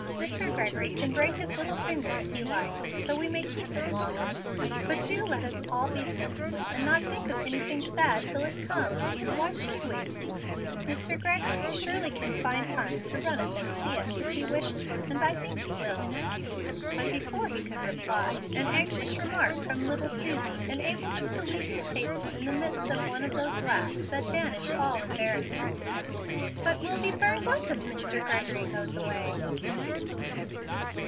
Mr. Gregory can break his little finger, if he likes, so we may keep him longer. But do let us all be sensible, and not think of anything sad till it comes. Why should we? Mr. Gregory surely can find time to run up and see us, if he wishes, and I think he will." Before he could reply, an anxious remark from little Susie enabled them to leave the table in the midst of one of those laughs that banish all embarrassment. "But we'll be burned up if Mr. Gregory goes away."